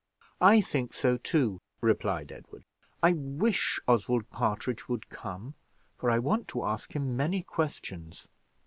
"I think so too," replied Edward. "I wish Oswald Partridge would come, for I want to ask him many questions.